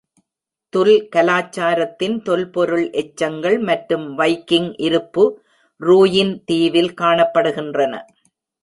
துல் கலாச்சாரத்தின் தொல்பொருள் எச்சங்கள் மற்றும் வைக்கிங் இருப்பு ரூயின் தீவில் காணப்படுகின்றன.